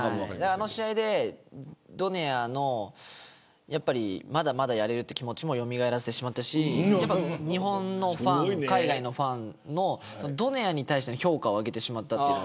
あの試合でドネアのまだまだやれるという気持ちもよみがえらせてしまったし日本のファン、海外のファンのドネアに対しての評価を上げてしまった。